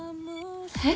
えっ？